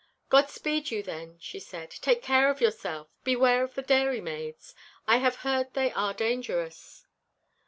'God speed you, then,' she said. 'Take care of yourself—beware of the dairymaids. I have heard they are dangerous.